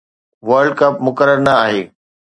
world cup مقرر نه آهي